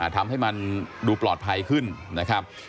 ทำให้มันดูปลอดภัยขึ้นนะครับ